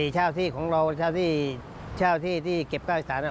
เช้าที่ของเราเช้าที่เก็บก้าวลักษณะ